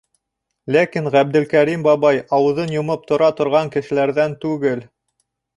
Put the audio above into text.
Ләкин Ғәбделкәрим бабай ауыҙын йомоп тора торған кешеләрҙән түгел.